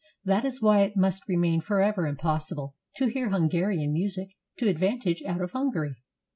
That is why it must remain forever impossible to hear Hungarian music to advantage out of Hungary.